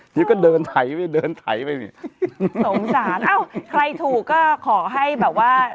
เจี๊ยบก็เดินถ่ายไปเดินถ่ายไปสงสารเอ้าใครถูกก็ขอให้แบบว่า